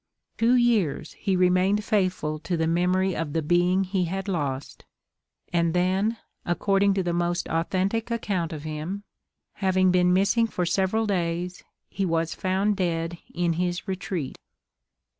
Two years he remained faithful to the memory of the being he had lost, and then, according to the most authentic account of him, having been missing several days, he was found dead in his retreat.